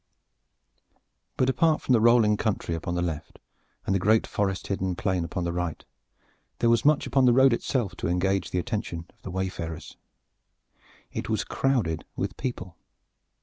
But apart from the rolling country upon the left and the great forest hidden plain upon the right, there was much upon the road itself to engage the attention of the wayfarers. It was crowded with people.